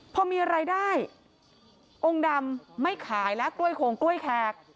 พอมีรายได้องค์ดำไม่ขายแล้วกล้วยโขงกล้วยแขก